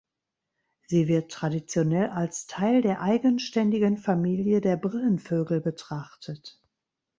Sie wird traditionell als Teil der eigenständigen Familie der Brillenvögel betrachtet.